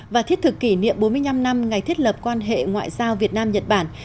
và thiết thực kỷ niệm bốn mươi năm năm ngày thiết lập quan hệ ngoại giao việt nam nhật bản